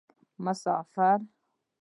مسافر